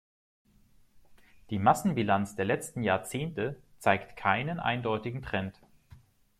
Die Massenbilanz der letzten Jahrzehnte zeigt keinen eindeutigen Trend.